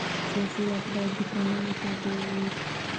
سیاسي واک باید د قانون تابع وي